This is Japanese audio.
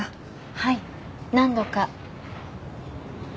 はい何度か。